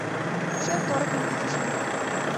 Шӧр-торыкым кучышна.